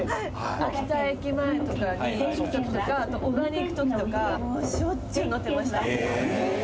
秋田駅前とかに行くときとか、男鹿に行くときとか、しょっちゅう乗ってました。